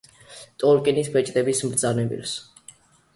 ტოლკინის „ბეჭდების მბრძანებელს“.